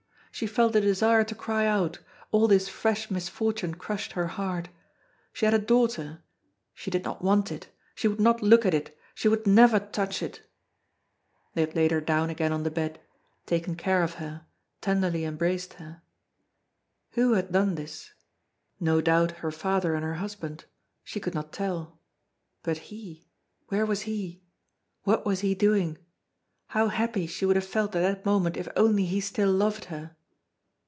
She felt a desire to cry out, all this fresh misfortune crushed her heart. She had a daughter. She did not want it! She would not look at it! She would never touch it! They had laid her down again on the bed, taken care of her, tenderly embraced her. Who had done this? No doubt, her father and her husband. She could not tell. But he where was he? What was he doing? How happy she would have felt at that moment, if only he still loved her!